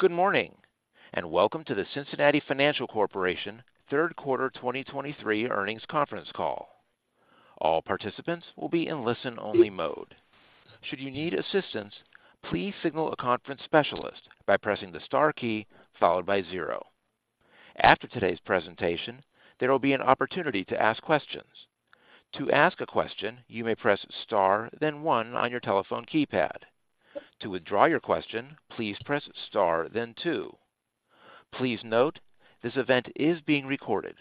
Good morning, and welcome to the Cincinnati Financial Corporation third quarter 2023 earnings conference call. All participants will be in listen-only mode. Should you need assistance, please signal a conference specialist by pressing the star key followed by zero. After today's presentation, there will be an opportunity to ask questions. To ask a question, you may press star, then one on your telephone keypad. To withdraw your question, please press star, then two. Please note, this event is being recorded.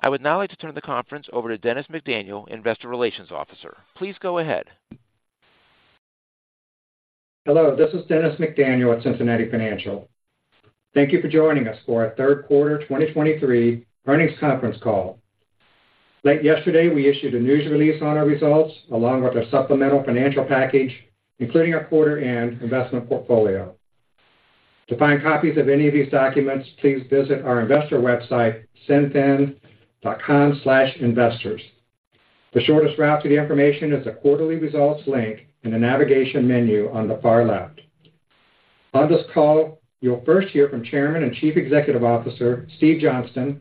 I would now like to turn the conference over to Dennis McDaniel, Investor Relations Officer. Please go ahead. Hello, this is Dennis McDaniel at Cincinnati Financial. Thank you for joining us for our third quarter 2023 earnings conference call. Late yesterday, we issued a news release on our results, along with a supplemental financial package, including our quarter and investment portfolio. To find copies of any of these documents, please visit our investor website, cinfin.com/investors. The shortest route to the information is the Quarterly Results link in the navigation menu on the far left. On this call, you'll first hear from Chairman and Chief Executive Officer, Steve Johnston,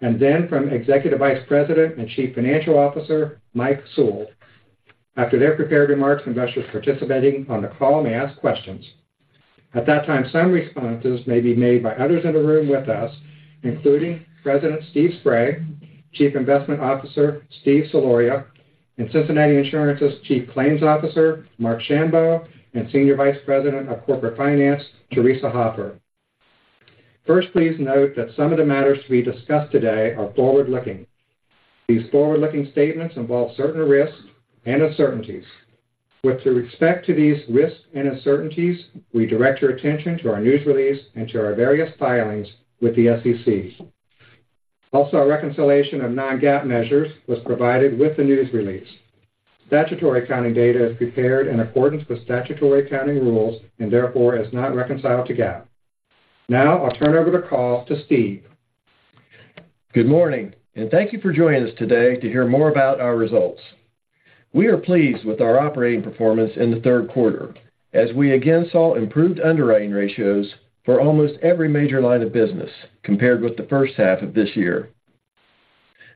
and then from Executive Vice President and Chief Financial Officer, Mike Sewell. After their prepared remarks, investors participating on the call may ask questions. At that time, some responses may be made by others in the room with us, including President Steve Spray, Chief Investment Officer Steve Soloria, and Cincinnati Insurance's Chief Claims Officer, Marc Schambow, and Senior Vice President of Corporate Finance, Theresa Hoffer. First, please note that some of the matters we discuss today are forward-looking. These forward-looking statements involve certain risks and uncertainties. With respect to these risks and uncertainties, we direct your attention to our news release and to our various filings with the SEC. Also, a reconciliation of non-GAAP measures was provided with the news release. Statutory accounting data is prepared in accordance with statutory accounting rules and therefore is not reconciled to GAAP. Now, I'll turn over the call to Steve. Good morning, and thank you for joining us today to hear more about our results. We are pleased with our operating performance in the third quarter, as we again saw improved underwriting ratios for almost every major line of business compared with the first half of this year.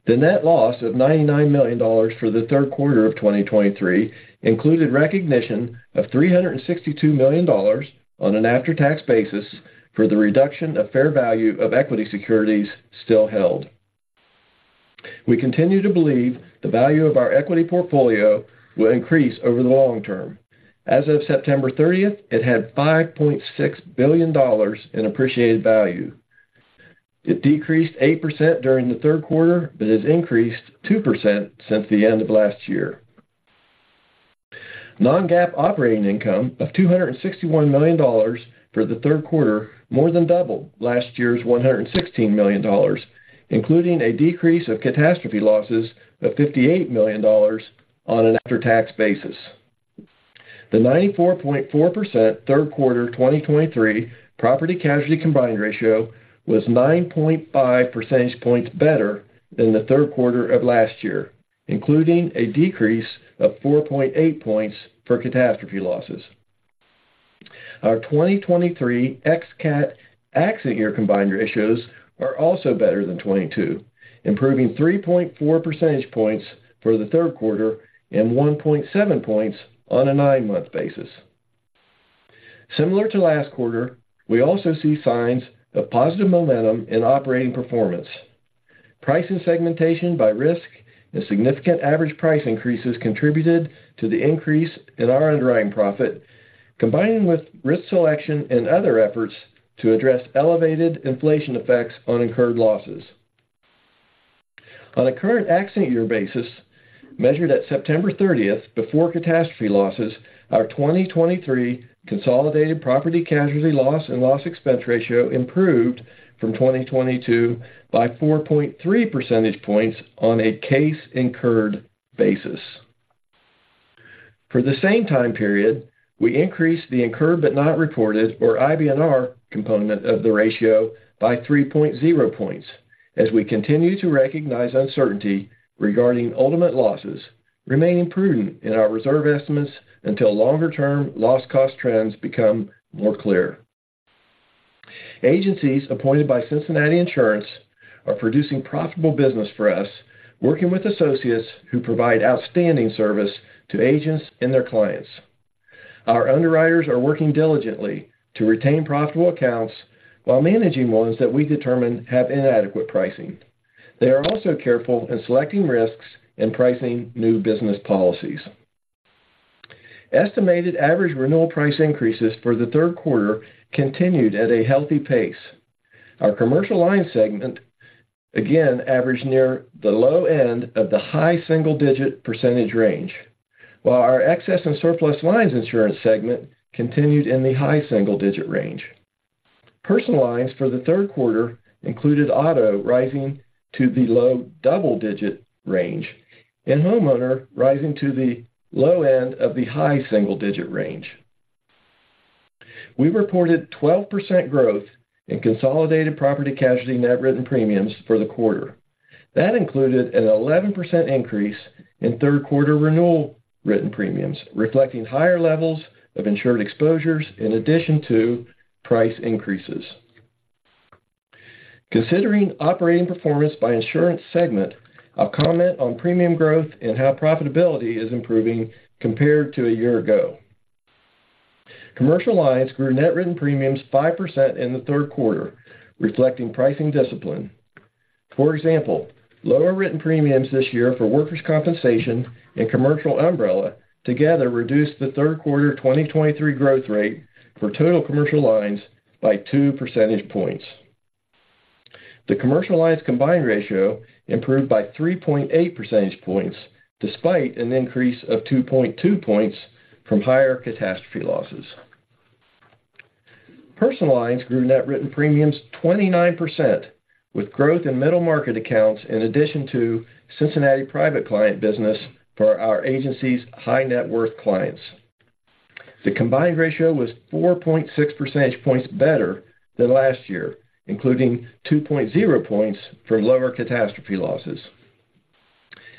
The net loss of $99 million for the third quarter of 2023 included recognition of $362 million on an after-tax basis for the reduction of fair value of equity securities still held. We continue to believe the value of our equity portfolio will increase over the long term. As of September thirtieth, it had $5.6 billion in appreciated value. It decreased 8% during the third quarter, but has increased 2% since the end of last year. Non-GAAP operating income of $261 million for the third quarter more than doubled last year's $116 million, including a decrease of catastrophe losses of $58 million on an after-tax basis. The 94.4% third quarter 2023 property casualty combined ratio was 9.5 percentage points better than the third quarter of last year, including a decrease of 4.8 points for catastrophe losses. Our 2023 ex-cat accident year combined ratios are also better than 22, improving 3.4 percentage points for the third quarter and 1.7 points on a nine-month basis. Similar to last quarter, we also see signs of positive momentum in operating performance. Pricing segmentation by risk and significant average price increases contributed to the increase in our underwriting profit, combining with risk selection and other efforts to address elevated inflation effects on incurred losses. On a current accident year basis, measured at September 30, before catastrophe losses, our 2023 consolidated property casualty loss and loss expense ratio improved from 2022 by 4.3 percentage points on a case-incurred basis. For the same time period, we increased the Incurred but Not Reported, or IBNR, component of the ratio by 3.0 points as we continue to recognize uncertainty regarding ultimate losses, remaining prudent in our reserve estimates until longer-term loss cost trends become more clear. Agencies appointed by Cincinnati Insurance are producing profitable business for us, working with associates who provide outstanding service to agents and their clients. Our underwriters are working diligently to retain profitable accounts while managing ones that we determine have inadequate pricing. They are also careful in selecting risks and pricing new business policies. Estimated average renewal price increases for the third quarter continued at a healthy pace. Our commercial line segment again averaged near the low end of the high single-digit percentage range, while our excess and surplus lines insurance segment continued in the high single-digit range. Personal lines for the third quarter included auto rising to the low double-digit range and homeowner rising to the low end of the high single-digit range. We reported 12% growth in consolidated property casualty net written premiums for the quarter. That included an 11% increase in third quarter renewal written premiums, reflecting higher levels of insured exposures in addition to price increases. Considering operating performance by insurance segment, I'll comment on premium growth and how profitability is improving compared to a year ago. Commercial lines grew net written premiums 5% in the third quarter, reflecting pricing discipline. For example, lower written premiums this year for workers' compensation and commercial umbrella together reduced the third quarter 2023 growth rate for total commercial lines by 2 percentage points. The commercial lines combined ratio improved by 3.8 percentage points, despite an increase of 2.2 points from higher catastrophe losses. Personal lines grew net written premiums 29%, with growth in middle market accounts, in addition to Cincinnati Private Client business for our agency's high net worth clients. The combined ratio was 4.6 percentage points better than last year, including 2.0 points from lower catastrophe losses.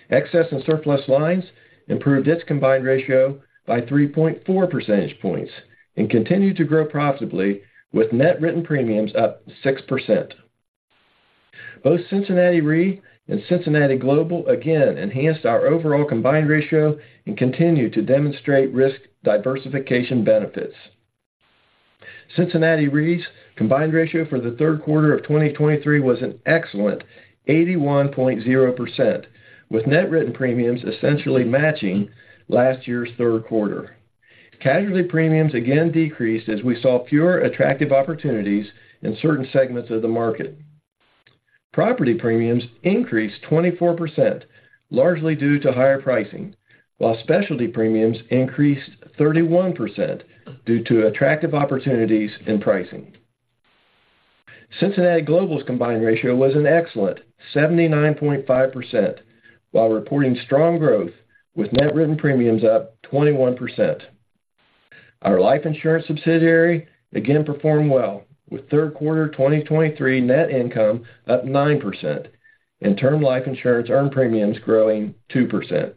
Excess and surplus lines improved its combined ratio by 3.4 percentage points and continued to grow profitably, with net written premiums up 6%. Both Cincinnati Re and Cincinnati Global again enhanced our overall combined ratio and continued to demonstrate risk diversification benefits. Cincinnati Re's combined ratio for the third quarter of 2023 was an excellent 81.0%, with net written premiums essentially matching last year's third quarter. Casualty premiums again decreased as we saw fewer attractive opportunities in certain segments of the market. Property premiums increased 24%, largely due to higher pricing, while specialty premiums increased 31% due to attractive opportunities in pricing. Cincinnati Global's combined ratio was an excellent 79.5%, while reporting strong growth, with net written premiums up 21%. Our life insurance subsidiary again performed well, with third quarter 2023 net income up 9% and term life insurance earned premiums growing 2%.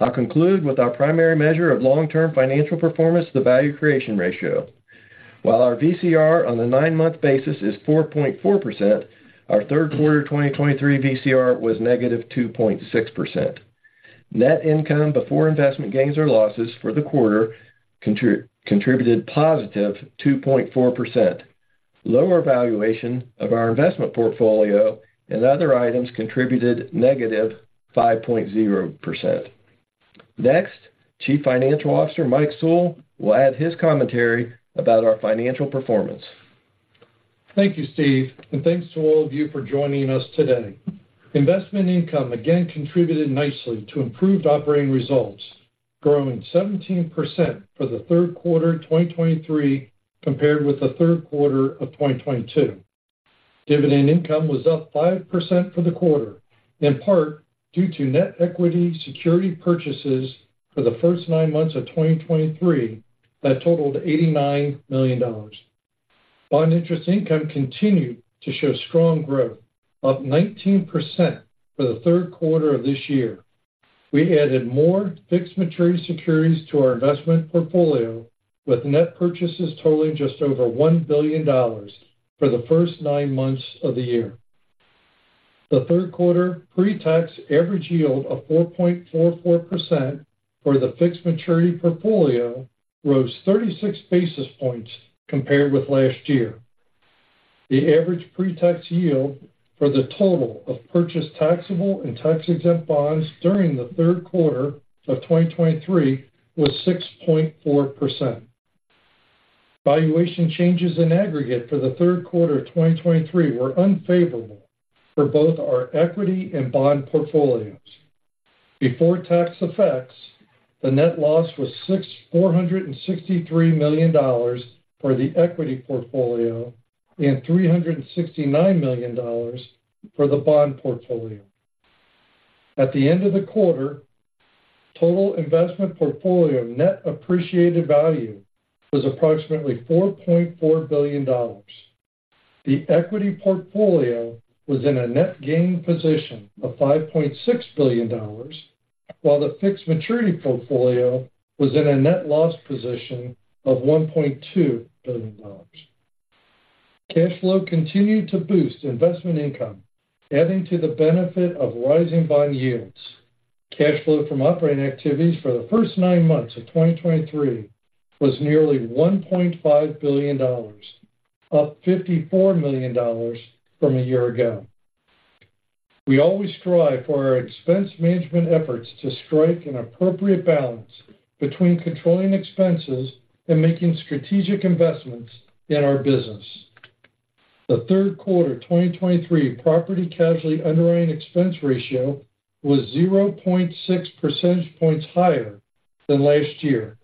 I'll conclude with our primary measure of long-term financial performance, the Value Creation Ratio. While our VCR on the nine-month basis is 4.4%, our third quarter 2023 VCR was -2.6%. Net income before investment gains or losses for the quarter contributed +2.4%. Lower valuation of our investment portfolio and other items contributed -5.0%. Next, Chief Financial Officer Mike Sewell will add his commentary about our financial performance. Thank you, Steve, and thanks to all of you for joining us today. Investment income again contributed nicely to improved operating results, growing 17% for the third quarter 2023 compared with the third quarter of 2022. Dividend income was up 5% for the quarter, in part due to net equity security purchases for the first nine months of 2023 that totaled $89 million. Bond interest income continued to show strong growth, up 19% for the third quarter of this year. We added more fixed maturity securities to our investment portfolio, with net purchases totaling just over $1 billion for the first nine months of the year. The third quarter pre-tax average yield of 4.44% for the fixed maturity portfolio rose 36 basis points compared with last year. The average pre-tax yield for the total of purchased taxable and tax-exempt bonds during the third quarter of 2023 was 6.4%. Valuation changes in aggregate for the third quarter of 2023 were unfavorable for both our equity and bond portfolios. Before tax effects, the net loss was $463 million for the equity portfolio and $369 million for the bond portfolio. At the end of the quarter, total investment portfolio net appreciated value was approximately $4.4 billion. The equity portfolio was in a net gain position of $5.6 billion, while the fixed maturity portfolio was in a net loss position of $1.2 billion. Cash flow continued to boost investment income, adding to the benefit of rising bond yields. Cash flow from operating activities for the first nine months of 2023 was nearly $1.5 billion, up $54 million from a year ago. We always strive for our expense management efforts to strike an appropriate balance between controlling expenses and making strategic investments in our business. The third quarter 2023 property casualty underwriting expense ratio was 0.6 percentage points higher than last year,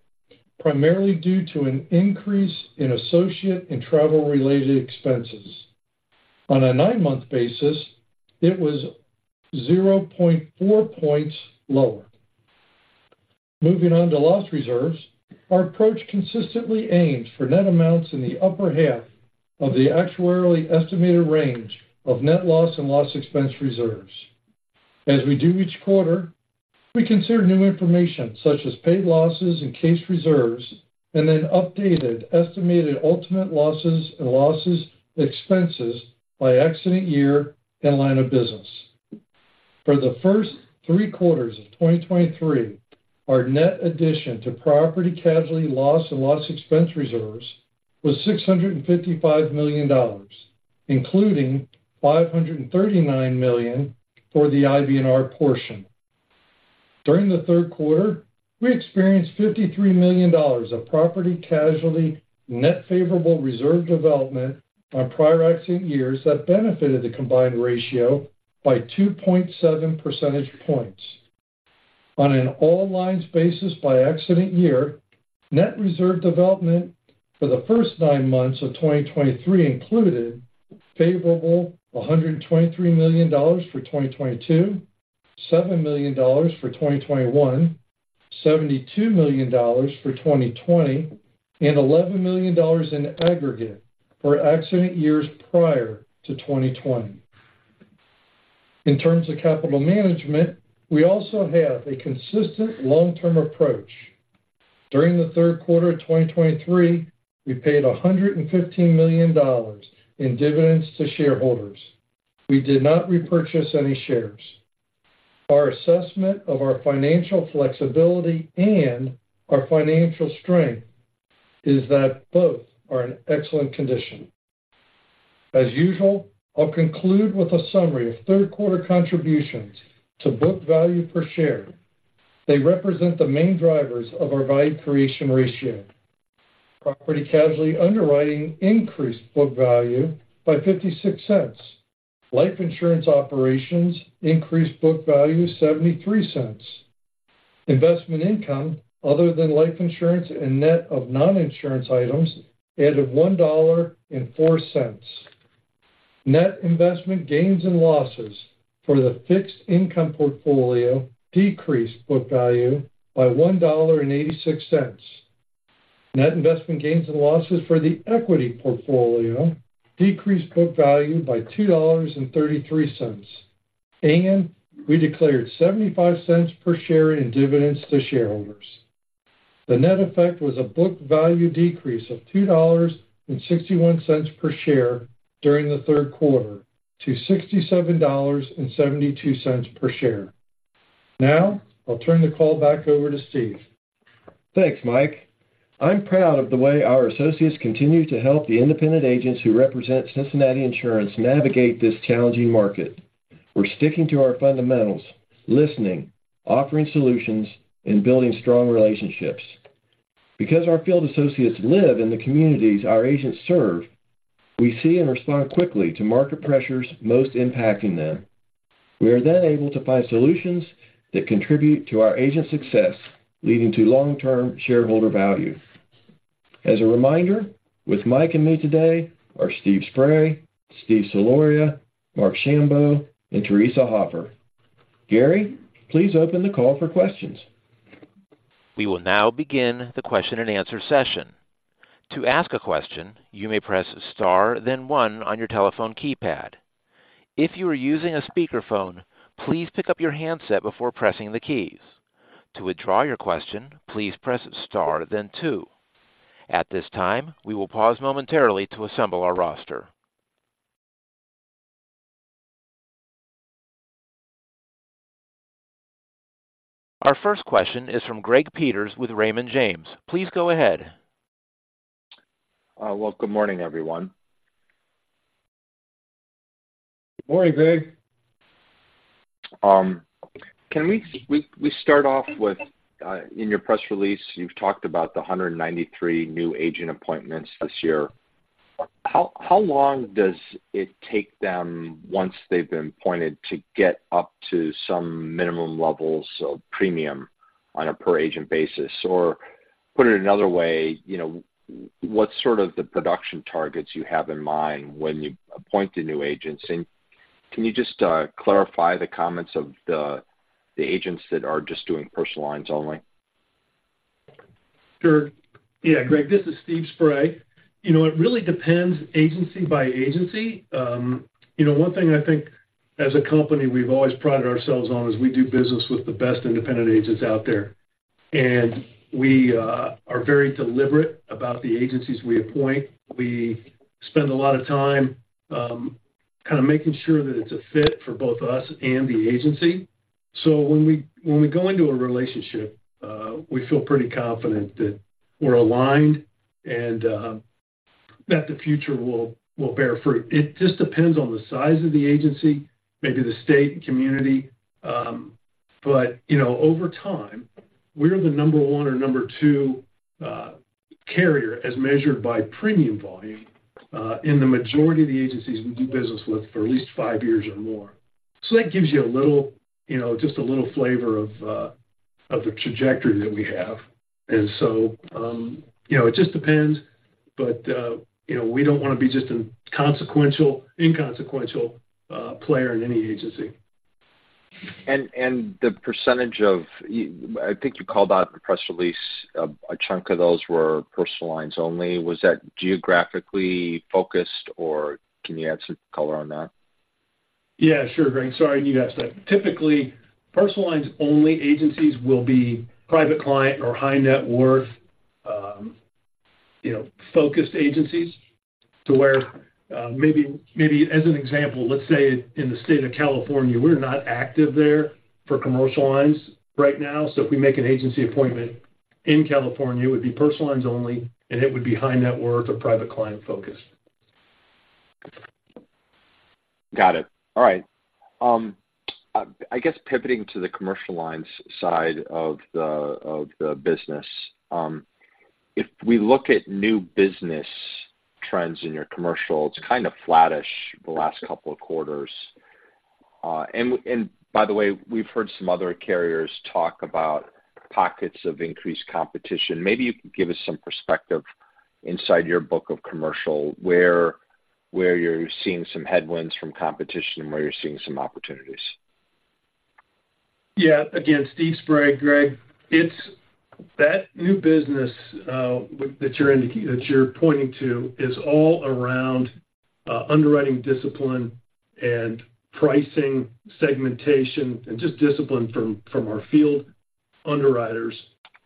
primarily due to an increase in associate and travel-related expenses. On a nine-month basis, it was 0.4 points lower. Moving on to loss reserves. Our approach consistently aims for net amounts in the upper half of the actuarially estimated range of net loss and loss expense reserves. As we do each quarter, we consider new information such as paid losses and case reserves, and then updated estimated ultimate losses and loss expenses by accident year and line of business. For the first three quarters of 2023, our net addition to property casualty loss and loss expense reserves was $655 million, including $539 million for the IBNR portion. During the third quarter, we experienced $53 million of property casualty net favorable reserve development on prior accident years that benefited the combined ratio by 2.7 percentage points. On an all lines basis by accident year, net reserve development for the first nine months of 2023 included favorable $123 million for 2022, $7 million for 2021, $72 million for 2020, and $11 million in aggregate for accident years prior to 2020. In terms of capital management, we also have a consistent long-term approach. During the third quarter of 2023, we paid $115 million in dividends to shareholders. We did not repurchase any shares. Our assessment of our financial flexibility and our financial strength is that both are in excellent condition. As usual, I'll conclude with a summary of third quarter contributions to book value per share. They represent the main drivers of our Value Creation Ratio. Property casualty underwriting increased book value by $0.56. Life insurance operations increased book value $0.73. Investment income other than life insurance and net of non-insurance items added $1.04. Net investment gains and losses for the fixed income portfolio decreased book value by $1.86. Net investment gains and losses for the equity portfolio decreased book value by $2.33, and we declared $0.75 per share in dividends to shareholders. The net effect was a book value decrease of $2.61 per share during the third quarter to $67.72 per share. Now, I'll turn the call back over to Steven. Thanks, Mike. I'm proud of the way our associates continue to help the independent agents who represent Cincinnati Insurance navigate this challenging market. We're sticking to our fundamentals, listening, offering solutions, and building strong relationships. Because our field associates live in the communities our agents serve, we see and respond quickly to market pressures most impacting them. We are then able to find solutions that contribute to our agent success, leading to long-term shareholder value. As a reminder, with Mike and me today are Steve Spray, Steve Soloria, Marc Schambow, and Theresa Hoffer. Gary, please open the call for questions. We will now begin the question and answer session. To ask a question, you may press star, then one on your telephone keypad. If you are using a speakerphone, please pick up your handset before pressing the keys. To withdraw your question, please press star, then two. At this time, we will pause momentarily to assemble our roster. Our first question is from Greg Peters with Raymond James. Please go ahead. Well, good morning, everyone. Good morning, Greg. Can we start off with, in your press release, you've talked about the 193 new agent appointments this year. How long does it take them once they've been appointed, to get up to some minimum levels of premium on a per agent basis? Or put it another way, you know, what's sort of the production targets you have in mind when you appoint the new agents? And can you just clarify the comments of the agents that are just doing personal lines only? Sure. Yeah, Greg, this is Steve Spray. You know, it really depends agency by agency. You know, one thing I think as a company, we've always prided ourselves on is we do business with the best independent agents out there, and we are very deliberate about the agencies we appoint. We spend a lot of time kind of making sure that it's a fit for both us and the agency. So when we go into a relationship, we feel pretty confident that we're aligned and that the future will bear fruit. It just depends on the size of the agency, maybe the state and community. You know, over time, we're the number one or number two carrier, as measured by premium volume, in the majority of the agencies we do business with for at least five years or more. That gives you a little, you know, just a little flavor of the trajectory that we have. You know, it just depends.... but, you know, we don't want to be just an inconsequential player in any agency. And the percentage of, I think you called out in the press release, a chunk of those were personal lines only. Was that geographically focused, or can you add some color on that? Yeah, sure, Greg. Sorry, you asked that. Typically, personal lines only agencies will be Private Client or high net worth, you know, focused agencies. To where, maybe, maybe as an example, let's say in the state of California, we're not active there for commercial lines right now. So if we make an agency appointment in California, it would be personal lines only, and it would be high net worth or Private Client focused. Got it. All right. I guess pivoting to the commercial lines side of the business, if we look at new business trends in your commercial, it's kind of flattish the last couple of quarters. By the way, we've heard some other carriers talk about pockets of increased competition. Maybe you can give us some perspective inside your book of commercial, where you're seeing some headwinds from competition and where you're seeing some opportunities. Yeah. Again, Steve Spray, Greg. That new business that you're pointing to is all around underwriting discipline and pricing, segmentation, and just discipline from our field underwriters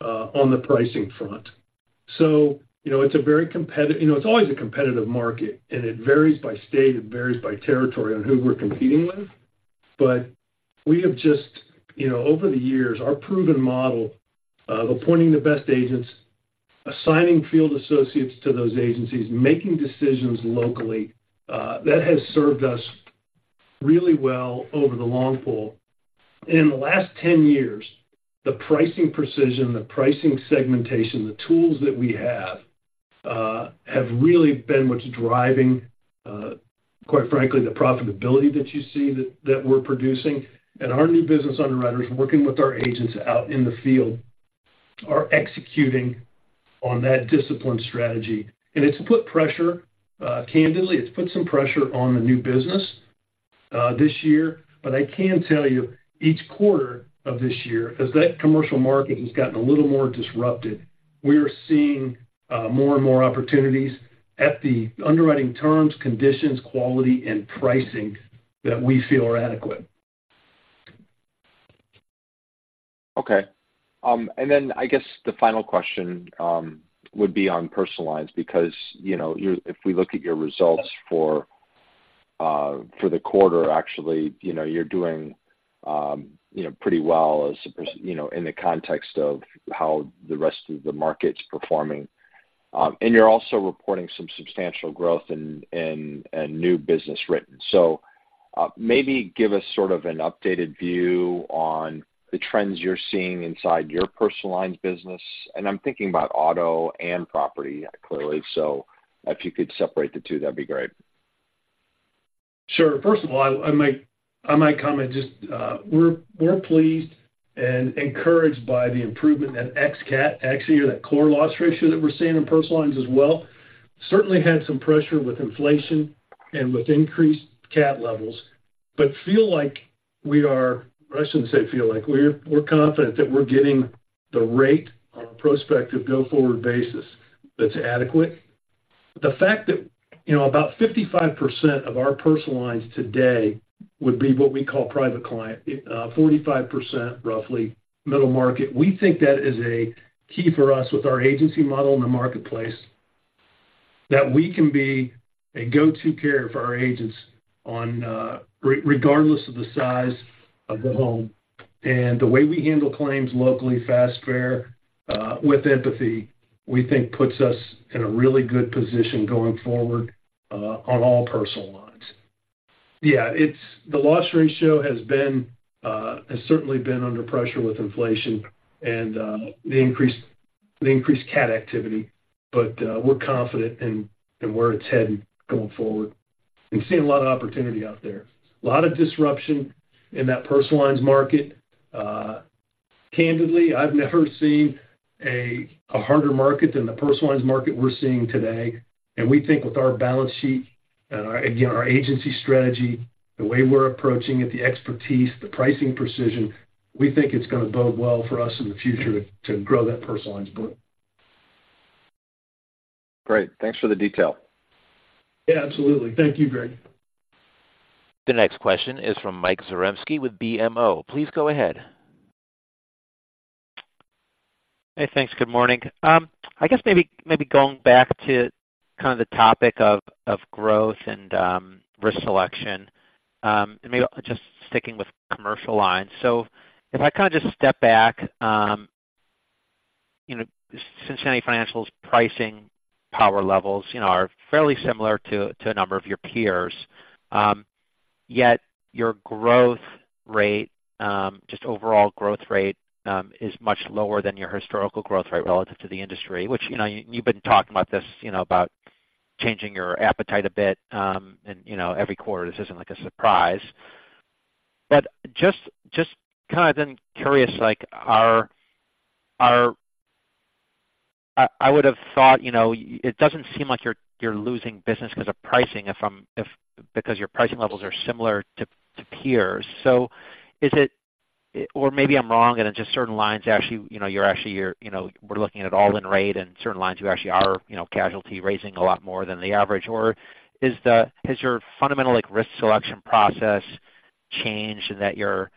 on the pricing front. You know, it's a very competitive... You know, it's always a competitive market, and it varies by state, it varies by territory on who we're competing with. We have just, you know, over the years, our proven model of appointing the best agents, assigning field associates to those agencies, making decisions locally, that has served us really well over the long pool. In the last 10 years, the pricing precision, the pricing segmentation, the tools that we have, have really been what's driving, quite frankly, the profitability that you see that we're producing. Our new business underwriters, working with our agents out in the field, are executing on that discipline strategy. It's put pressure, candidly, it's put some pressure on the new business, this year. I can tell you, each quarter of this year, as that commercial market has gotten a little more disrupted, we are seeing more and more opportunities at the underwriting terms, conditions, quality, and pricing that we feel are adequate. Okay. And then I guess the final question would be on personal lines, because, you know, your-- if we look at your results for the quarter, actually, you know, you're doing, you know, pretty well as opposed, you know, in the context of how the rest of the market's performing. And you're also reporting some substantial growth in new business written. So, maybe give us sort of an updated view on the trends you're seeing inside your personal lines business, and I'm thinking about auto and property, clearly. So if you could separate the two, that'd be great. Sure. First of all, I might comment just, we're pleased and encouraged by the improvement in ex cat, [actually, or] that core loss ratio that we're seeing in personal lines as well. Certainly had some pressure with inflation and with increased cat levels, but feel like we are. I shouldn't say feel like, we're confident that we're getting the rate on a prospective go-forward basis that's adequate. The fact that, you know, about 55% of our personal lines today would be what we call private client, 45%, roughly middle market. We think that is a key for us with our agency model in the marketplace, that we can be a go-to carrier for our agents on, regardless of the size of the home. And the way we handle claims locally, fast, fair, with empathy, we think puts us in a really good position going forward on all personal lines. Yeah, it's the loss ratio has certainly been under pressure with inflation and the increased cat activity, but we're confident in where it's headed going forward. We've seen a lot of opportunity out there, a lot of disruption in that personal lines market. Candidly, I've never seen a harder market than the personal lines market we're seeing today. And we think with our balance sheet and, again, our agency strategy, the way we're approaching it, the expertise, the pricing precision, we think it's going to bode well for us in the future to grow that personal lines book. Great. Thanks for the detail. Yeah, absolutely. Thank you, Greg. The next question is from Mike Zaremski with BMO. Please go ahead. Hey, thanks. Good morning. I guess maybe going back to kind of the topic of growth and risk selection, and maybe just sticking with commercial lines. So if I kind of just step back, you know, Cincinnati Financial's pricing power levels, you know, are fairly similar to a number of your peers. Yet your growth rate, just overall growth rate, is much lower than your historical growth rate relative to the industry, which, you know, you've been talking about this, you know, about changing your appetite a bit, and, you know, every quarter, this isn't like a surprise. But just kind of then curious, like, are—I would have thought, you know, it doesn't seem like you're losing business because of pricing if I'm—if because your pricing levels are similar to peers. So is it or maybe I'm wrong, and in just certain lines, actually, you know, you're actually you know, we're looking at all-in rate and certain lines, you actually are, you know, casualty raising a lot more than the average. Or has your fundamental, like, risk selection process changed, and that you're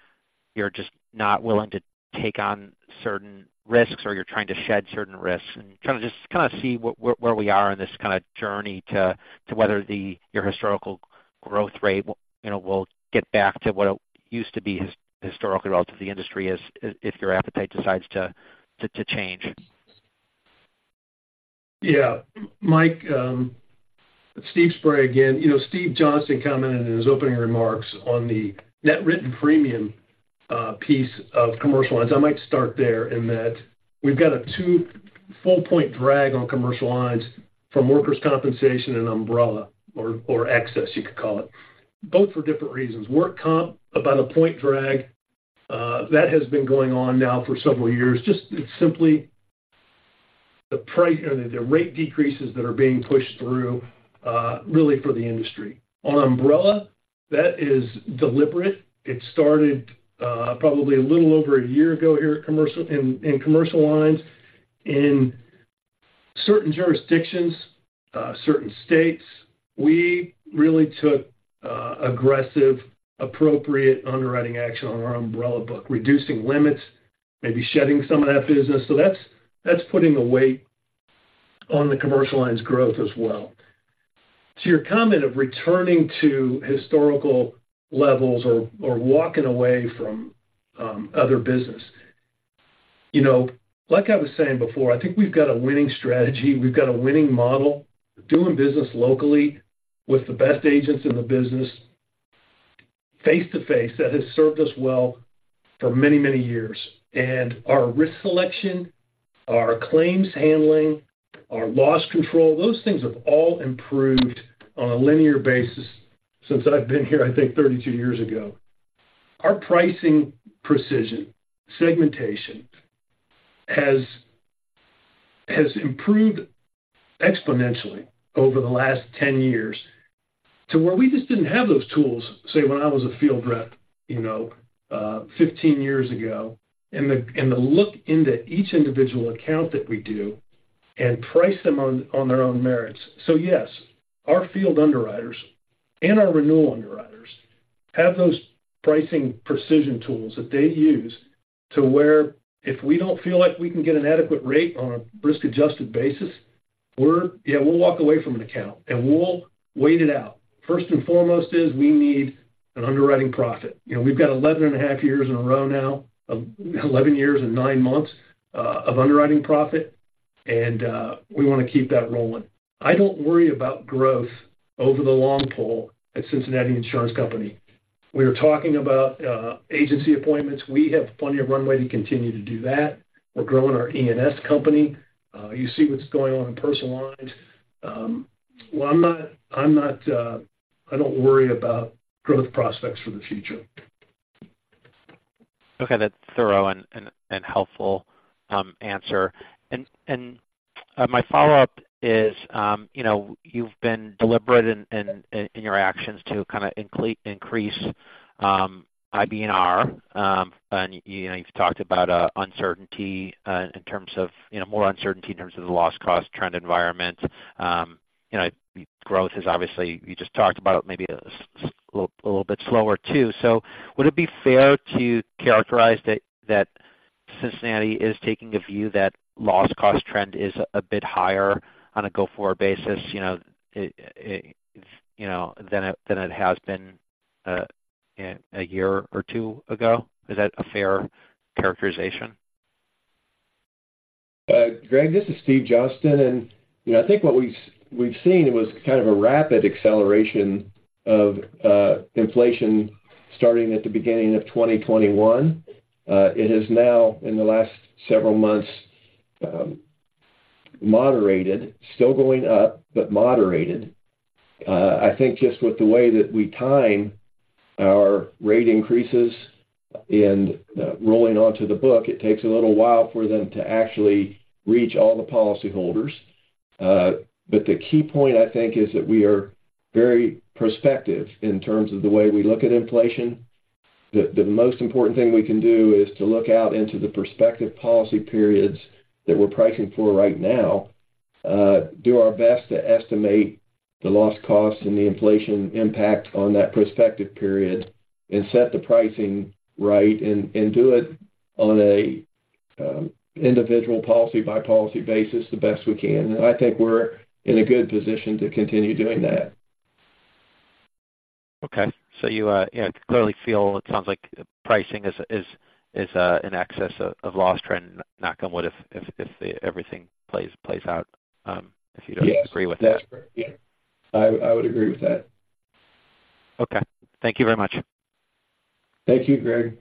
just not willing to take on certain risks, or you're trying to shed certain risks? And trying to just kind of see where we are in this kind of journey to whether your historical growth rate, you know, will get back to what it used to be historically, relative to the industry, as if your appetite decides to change. Yeah. Mike, Steve Spray again. You know, Steve Johnston commented in his opening remarks on the net written premium piece of commercial lines. I might start there in that we've got a 2 full point drag on commercial lines from workers' compensation and umbrella or excess, you could call it, both for different reasons. Work comp, about a 1 point drag, that has been going on now for several years. Just it's simply the price or the rate decreases that are being pushed through really for the industry. On umbrella, that is deliberate. It started probably a little over a year ago here at commercial, in commercial lines. In certain jurisdictions, certain states, we really took aggressive, appropriate underwriting action on our umbrella book, reducing limits, maybe shedding some of that business. So that's, that's putting a weight on the commercial lines growth as well. To your comment of returning to historical levels or, or walking away from, other business, you know, like I was saying before, I think we've got a winning strategy. We've got a winning model, doing business locally with the best agents in the business, face-to-face, that has served us well for many, many years. And our risk selection, our claims handling, our loss control, those things have all improved on a linear basis since I've been here, I think 32 years ago. Our pricing precision, segmentation, has, has improved exponentially over the last 10 years to where we just didn't have those tools, say, when I was a field rep, you know, 15 years ago. And the, and the look into each individual account that we do and price them on, on their own merits. Yes, our field underwriters and our renewal underwriters have those pricing precision tools that they use to where if we don't feel like we can get an adequate rate on a risk-adjusted basis, we'll walk away from an account, and we'll wait it out. First and foremost is we need an underwriting profit. You know, we've got 11 and a half years in a row now of 11 years and nine months of underwriting profit, and we wanna keep that rolling. I don't worry about growth over the long haul at Cincinnati Insurance Company. We are talking about agency appointments. We have plenty of runway to continue to do that. We're growing our E&S company. You see what's going on in personal lines. Well, I'm not, I'm not, I don't worry about growth prospects for the future. Okay, that's a thorough and helpful answer. My follow-up is, you know, you've been deliberate in your actions to kind of increase IBNR. And, you know, you've talked about uncertainty in terms of more uncertainty in terms of the loss cost trend environment. You know, growth is obviously, you just talked about maybe a little bit slower, too. So would it be fair to characterize that Cincinnati is taking a view that loss cost trend is a bit higher on a go-forward basis, you know, than it has been a year or two ago? Is that a fair characterization? Greg, this is Steve Johnston, and, you know, I think what we've, we've seen was kind of a rapid acceleration of inflation starting at the beginning of 2021. It has now, in the last several months, moderated, still going up, but moderated. I think just with the way that we time our rate increases and rolling onto the book, it takes a little while for them to actually reach all the policyholders. But the key point, I think, is that we are very prospective in terms of the way we look at inflation. The most important thing we can do is to look out into the prospective policy periods that we're pricing for right now, do our best to estimate the loss cost and the inflation impact on that prospective period, and set the pricing right, and do it on a individual policy-by-policy basis, the best we can. I think we're in a good position to continue doing that. Okay. So you yeah, clearly feel it sounds like pricing is in excess of loss trend, knock on wood, if everything plays out, if you don't agree with that. Yes. That's correct. Yeah, I would agree with that. Okay. Thank you very much. Thank you, Greg.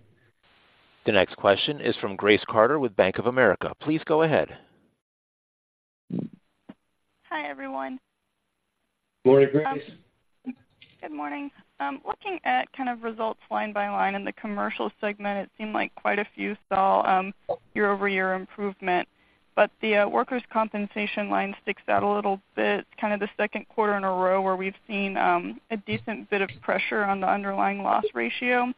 The next question is from Grace Carter with Bank of America. Please go ahead. ... everyone. Morning, Grace. Good morning. Looking at kind of results line by line in the commercial segment, it seemed like quite a few saw year-over-year improvement, but the workers' compensation line sticks out a little bit, kind of the second quarter in a row, where we've seen a decent bit of pressure on the underlying loss ratio.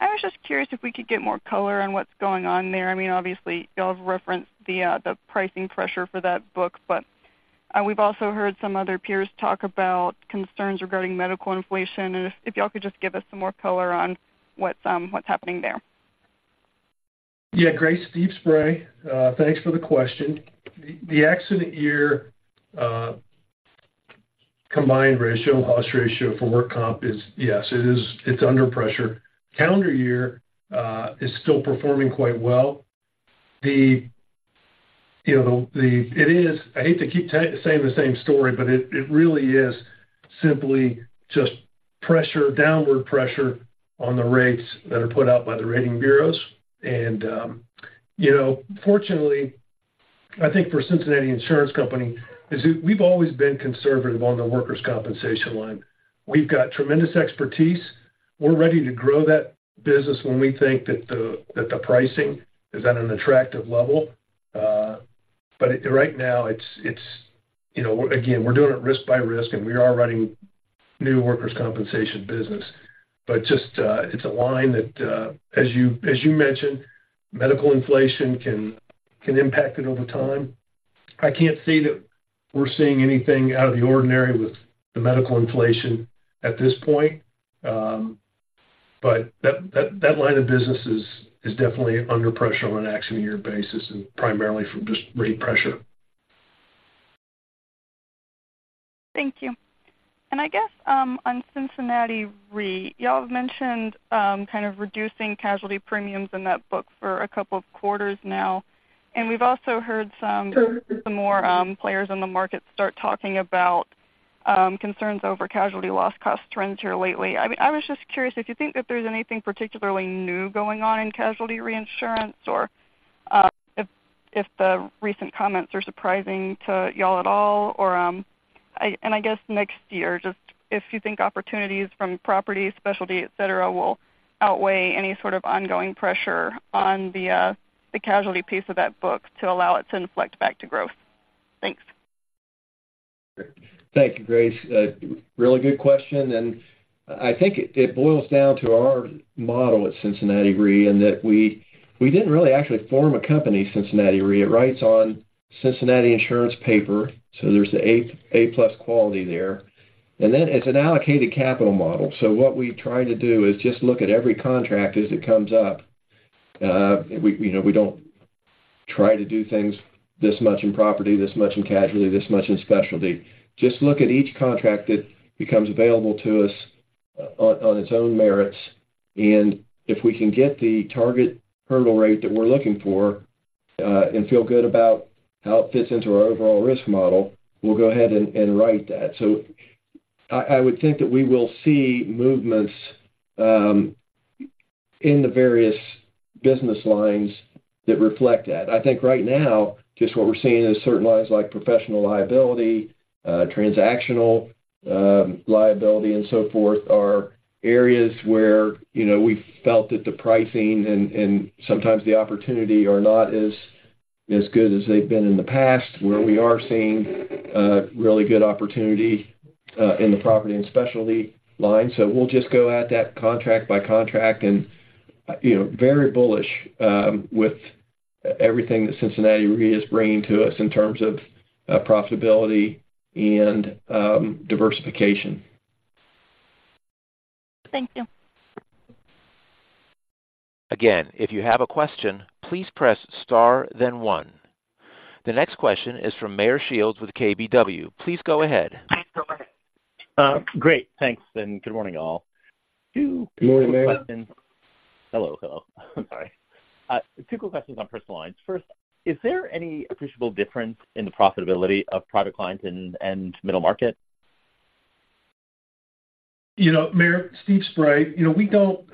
I was just curious if we could get more color on what's going on there. I mean, obviously, y'all have referenced the pricing pressure for that book, but we've also heard some other peers talk about concerns regarding medical inflation. And if y'all could just give us some more color on what's happening there. Yeah, Grace, Steve Spray. Thanks for the question. The accident year combined ratio, loss ratio for work comp is, yes, it is, it's under pressure. Calendar year is still performing quite well. You know, it is—I hate to keep saying the same story, but it really is simply just pressure, downward pressure on the rates that are put out by the rating bureaus. You know, fortunately, I think for Cincinnati Insurance Company, we've always been conservative on the workers' compensation line. We've got tremendous expertise. We're ready to grow that business when we think that the pricing is at an attractive level. Right now, it's, you know, again, we're doing it risk by risk, and we are writing new workers' compensation business. But just, it's a line that, as you mentioned, medical inflation can impact it over time. I can't say that we're seeing anything out of the ordinary with the medical inflation at this point, but that line of business is definitely under pressure on an accident year basis and primarily from just rate pressure. Thank you. And I guess, on Cincinnati Re, y'all have mentioned, kind of reducing casualty premiums in that book for a couple of quarters now, and we've also heard some, some more, players in the market start talking about, concerns over casualty loss cost trends here lately. I mean, I was just curious if you think that there's anything particularly new going on in casualty reinsurance, or, if the recent comments are surprising to y'all at all, or, And I guess next year, just if you think opportunities from property, specialty, et cetera, will outweigh any sort of ongoing pressure on the, the casualty piece of that book to allow it to inflect back to growth. Thanks. Thank you, Grace. Really good question, and I think it boils down to our model at Cincinnati Re, in that we didn't really actually form a company, Cincinnati Re. It writes on Cincinnati Insurance paper, so there's an A, A+ quality there. And then it's an allocated capital model, so what we try to do is just look at every contract as it comes up. You know, we don't try to do things this much in property, this much in casualty, this much in specialty. Just look at each contract that becomes available to us on its own merits, and if we can get the target hurdle rate that we're looking for, and feel good about how it fits into our overall risk model, we'll go ahead and write that. So I would think that we will see movements in the various business lines that reflect that. I think right now, just what we're seeing is certain lines, like professional liability, transactional liability, and so forth, are areas where, you know, we've felt that the pricing and sometimes the opportunity are not as good as they've been in the past, where we are seeing really good opportunity in the property and specialty lines. So we'll just go at that contract by contract and, you know, very bullish with everything that Cincinnati Re is bringing to us in terms of profitability and diversification. Thank you. Again, if you have a question, please press star, then one. The next question is from Meyer Shields with KBW. Please go ahead. Great, thanks, and good morning, all. Good morning, Meyer. Hello, hello. Sorry. Two quick questions on personal lines. First, is there any appreciable difference in the profitability of Private Clients and, and middle market? You know, Meyer, Steve Spray. You know, we don't—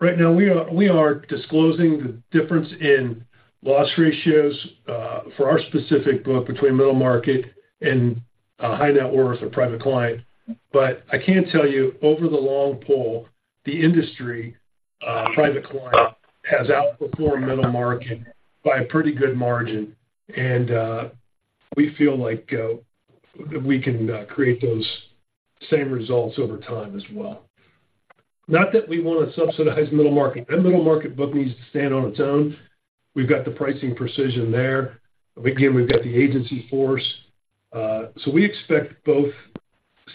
Right now, we are, we are disclosing the difference in loss ratios for our specific book between middle market and high net worth or private client. But I can tell you, over the long haul, the industry, private client has outperformed middle market by a pretty good margin, and we feel like we can create those same results over time as well. Not that we want to subsidize middle market. That middle market book needs to stand on its own. We've got the pricing precision there. Again, we've got the agency force. So we expect both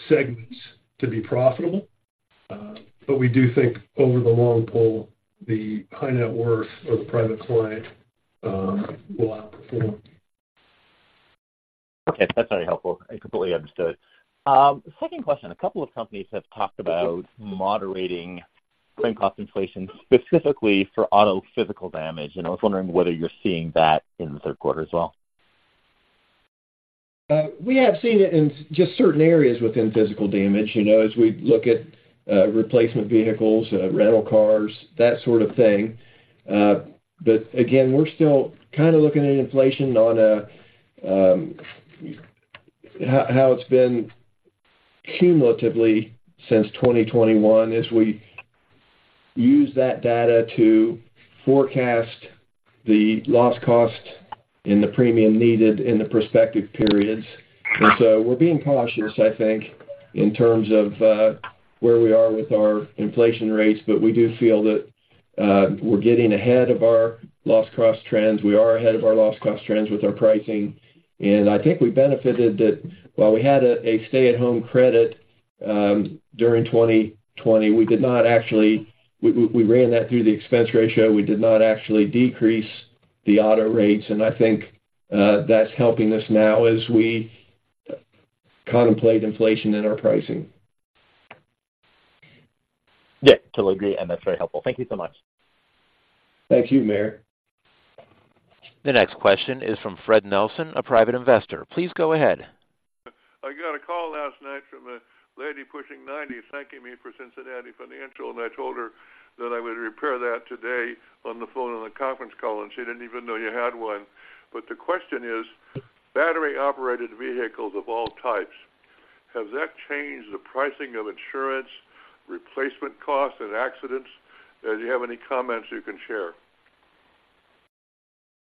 segments to be profitable, but we do think over the long haul, the high net worth or the private client will outperform. Okay. That's very helpful, and completely understood. Second question, a couple of companies have talked about moderating claim cost inflation specifically for auto physical damage, and I was wondering whether you're seeing that in the third quarter as well. We have seen it in just certain areas within physical damage, you know, as we look at replacement vehicles, rental cars, that sort of thing. But again, we're still kind of looking at inflation on a, how it's been-... cumulatively since 2021, is we use that data to forecast the loss cost and the premium needed in the prospective periods. And so we're being cautious, I think, in terms of where we are with our inflation rates, but we do feel that we're getting ahead of our loss cost trends. We are ahead of our loss cost trends with our pricing, and I think we benefited that while we had a stay-at-home credit, during 2020, we did not actually - we ran that through the expense ratio. We did not actually decrease the auto rates, and I think that's helping us now as we contemplate inflation in our pricing. Yeah, totally agree, and that's very helpful. Thank you so much. Thank you, Meyer. The next question is from Fred Nelson, a private investor. Please go ahead. I got a call last night from a lady pushing ninety, thanking me for Cincinnati Financial, and I told her that I would repeat that today on the phone, on the conference call, and she didn't even know you had one. But the question is: battery-operated vehicles of all types, has that changed the pricing of insurance, replacement costs and accidents? Do you have any comments you can share?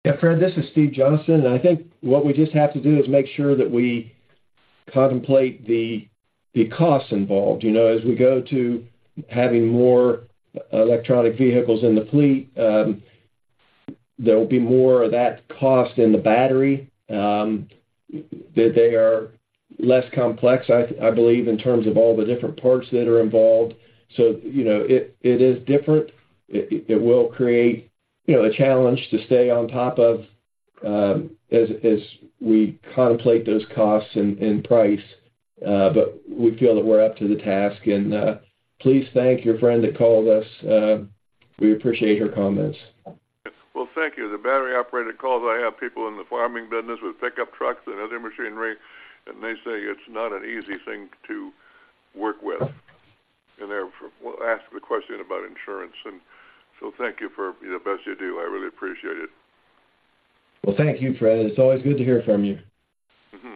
Yeah, Fred, this is Steve Johnston, and I think what we just have to do is make sure that we contemplate the costs involved. You know, as we go to having more electric vehicles in the fleet, there will be more of that cost in the battery. They are less complex, I believe, in terms of all the different parts that are involved. So you know, it is different. It will create, you know, a challenge to stay on top of, as we contemplate those costs and price, but we feel that we're up to the task. And please thank your friend that called us. We appreciate her comments. Well, thank you. The battery-operated cars, I have people in the farming business with pickup trucks and other machinery, and they say it's not an easy thing to work with, and they're well, ask the question about insurance, and so thank you for, you know, the best you do. I really appreciate it. Well, thank you, Fred. It's always good to hear from you. Mm-hmm.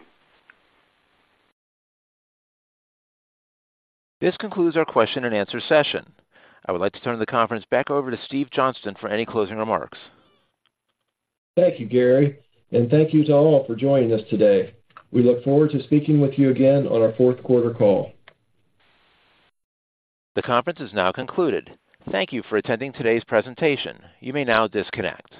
This concludes our question and answer session. I would like to turn the conference back over to Steve Johnston for any closing remarks. Thank you, Gary, and thank you to all for joining us today. We look forward to speaking with you again on our fourth quarter call. The conference is now concluded. Thank you for attending today's presentation. You may now disconnect.